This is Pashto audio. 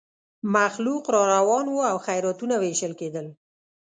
مخلوق را روان وو او خیراتونه وېشل کېدل.